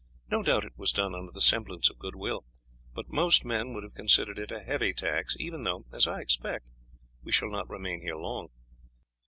No doubt it was done under the semblance of goodwill, but most men would have considered it a heavy tax, even though, as I expect, we shall not remain here long.